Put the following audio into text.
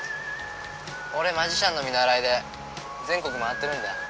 俺マジシャンの見習いで全国回ってるんだ。